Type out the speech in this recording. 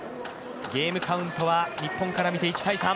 ゲームカウントは日本から見て１−３。